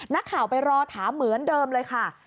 นักข่าวไปรอถามเหมือนเดิมเลยค่ะ